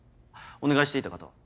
お願いしていた方は？